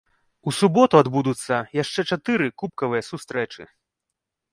У суботу адбудуцца яшчэ чатыры кубкавыя сустрэчы.